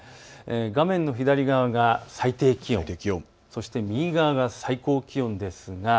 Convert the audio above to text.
画面の左側が最低気温、右側が最高気温です。